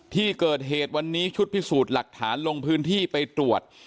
ที่เกิดเหตุวันนี้ชุดพิสูจน์หลักฐานลงพื้นที่ไปตรวจ